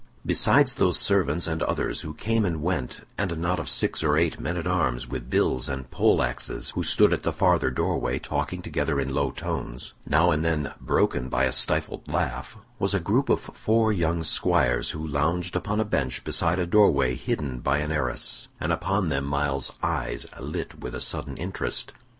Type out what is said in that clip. Besides those servants and others who came and went, and a knot of six or eight men at arms with bills and pole axes, who stood at the farther door way talking together in low tones, now and then broken by a stifled laugh, was a group of four young squires, who lounged upon a bench beside a door way hidden by an arras, and upon them Myles's eyes lit with a sudden interest.